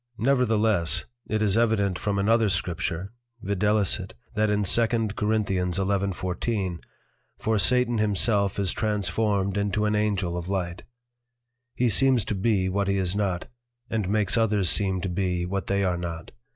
Nevertheless, It is evident from another Scripture, viz. that in 2 Cor. 11.14. For Satan himself is transformed into an Angel of Light. He seems to be what he is not, and makes others seem to be what they are not.